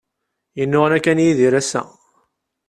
Yennuɣna kan Yidir ass-a.